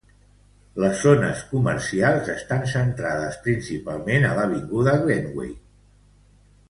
Les zones comercials estan centrades principalment a l'avinguda Glenway.